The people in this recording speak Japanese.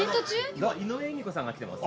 今井上由美子さんが来てます。